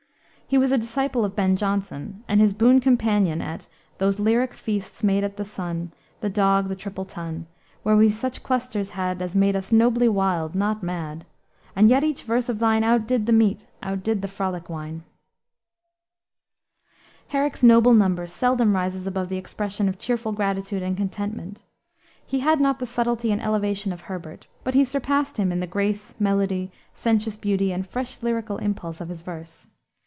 He was a disciple of Ben Jonson and his boon companion at ... "those lyric feasts Made at the Sun, The Dog, the Triple Tun; Where we such clusters had As made us nobly wild, not mad. And yet each verse of thine Outdid the meat, outdid the frolic wine." Herrick's Noble Numbers seldom rises above the expression of a cheerful gratitude and contentment. He had not the subtlety and elevation of Herbert, but he surpassed him in the grace, melody, sensuous beauty, and fresh lyrical impulse of his verse.